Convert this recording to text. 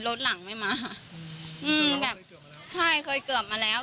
รถหลังไม่มาอืมแบบใช่เคยเกิดมาแล้ว